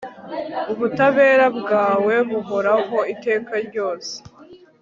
ubutabera bwawe buhoraho iteka ryose